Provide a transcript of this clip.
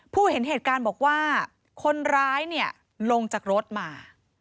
ผู้เห็นเหตุการณ์บอกว่าคนร้ายลงจากรถมา